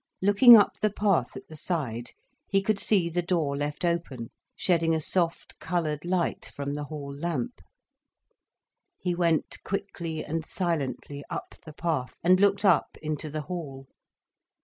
Looking up the path at the side he could see the door left open, shedding a soft, coloured light from the hall lamp. He went quickly and silently up the path, and looked up into the hall.